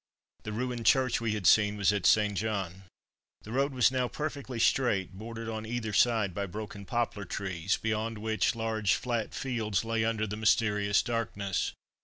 The ruined church we had seen was at St. Jean. The road was now perfectly straight, bordered on either side by broken poplar trees, beyond which large flat fields lay under the mysterious darkness.